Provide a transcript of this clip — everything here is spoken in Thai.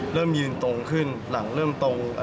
เริ่มยืนตรงขึ้นหลังเริ่มตรง